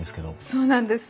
そうなんです。